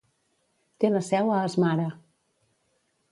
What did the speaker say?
Té la seu a Asmara.